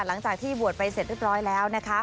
หลังจากที่บวชไปเสร็จเรียบร้อยแล้วนะคะ